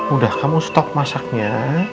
udah kamu stop masaknya